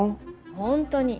本当に。